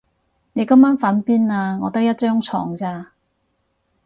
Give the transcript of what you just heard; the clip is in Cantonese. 你今晚瞓邊啊？我得一張床咋